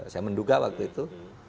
saya menduga waktu itu